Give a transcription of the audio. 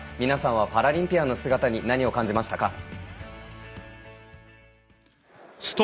皆さんはパラリンピアンの姿に何を感じましたか。